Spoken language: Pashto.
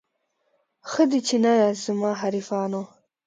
ښه دی چي نه یاست زما حریفانو